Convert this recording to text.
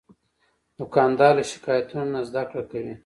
دوکاندار له شکایتونو نه زدهکړه کوي.